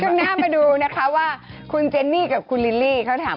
ช่วงหน้ามาดูนะคะว่าคุณเจนนี่กับคุณลิลลี่เขาถาม